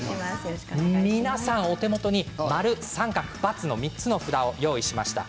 お手元に○×△の３つの札を用意しました。